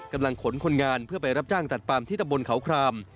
ขนคนงานเพื่อไปรับจ้างตัดปามที่ตะบนเขาคราม